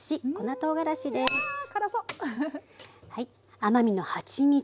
甘みのはちみつ。